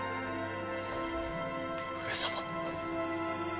上様！